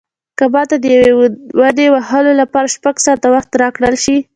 که ماته د یوې ونې وهلو لپاره شپږ ساعته وخت راکړل شي.